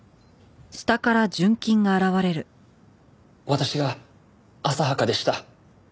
私が浅はかでした。